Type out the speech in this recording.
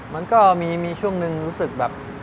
มันก็มีช่วงหนึ่งรู้สึกแบบ